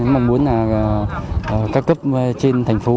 muốn là các cấp trên thành phố